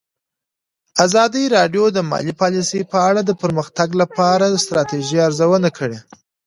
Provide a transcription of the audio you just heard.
ازادي راډیو د مالي پالیسي په اړه د پرمختګ لپاره د ستراتیژۍ ارزونه کړې.